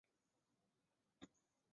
格里莫人口变化图示